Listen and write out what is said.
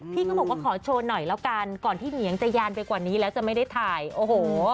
พี่ก็บอกว่าขอโชว์หน่อยแล้วกันก่อนที่เหนียงจะยานไปกว่านี้แล้วจะไม่ได้ถ่ายโอ้โห